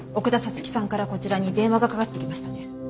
月さんからこちらに電話がかかってきましたね？